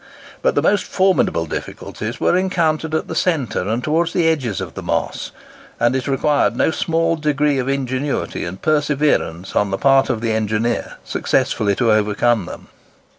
But the most formidable difficulties were encountered at the centre and towards the edges of the Moss; and it required no small degree of ingenuity and perseverance on the part of the engineer successfully to overcome them.